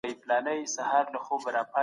پښتنو ولي د هند په جګړه کي برخه واخیسته؟